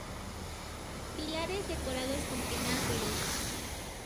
Pilares decorados con pináculos.